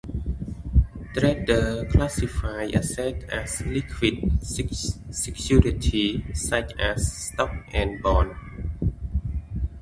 Traders classify assets as liquid securities such as stocks and bonds.